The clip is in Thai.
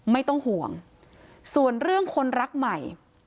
ไม่ต้องห่วงส่วนเรื่องคนรักใหม่